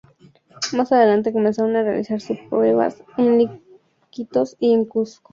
Más adelante, comenzaron a realizarse pruebas en Iquitos y en Cuzco.